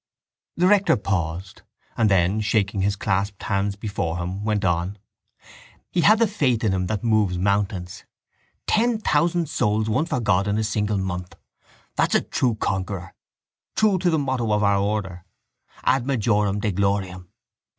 The rector paused and then, shaking his clasped hands before him, went on: —He had the faith in him that moves mountains. Ten thousand souls won for God in a single month! That is a true conqueror, true to the motto of our order: _ad majorem Dei gloriam!